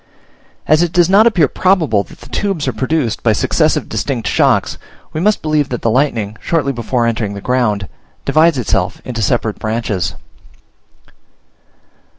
As it does not appear probable that the tubes are produced by successive distinct shocks, we must believe that the lightning, shortly before entering the ground, divides itself into separate branches.